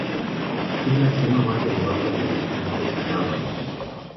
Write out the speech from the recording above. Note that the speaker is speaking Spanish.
Es la cima más elevada de los Alpes Bávaros.